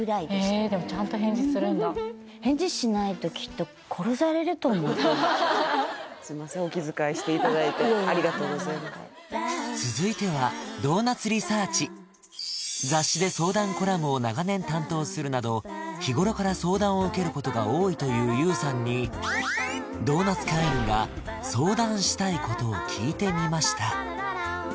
へえでもちゃんと返事するんだすみませんお気遣いしていただいてあっいえいえありがとうございます続いては雑誌で相談コラムを長年担当するなど日頃から相談を受けることが多いというＹＯＵさんにドーナツ会員が相談したいことを聞いてみました！